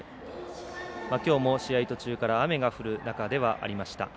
きょうも試合途中から雨が降る中ではありました。